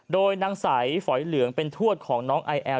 โดยนางใสฝอยเหลืองเป็นทวดของน้องไอแอล